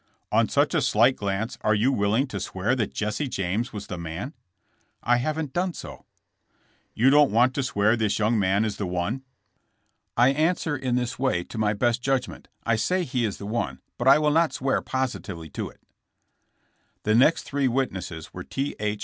"On such a slight glance are you willing to swear that Jesse James was the man?" "I haven't done so." "You don't want to swear this young man is the one? >> 166 JESSB JAMKS. II 1 answer in this way, to my best judgment. I say he is the one, but I will not swear positively to if The next three witnesses were T. H.